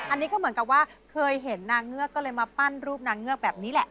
อันนี้ก็เหมือนกับว่าเคยเห็นนางเงือกก็เลยมาปั้นรูปนางเงือกแบบนี้แหละ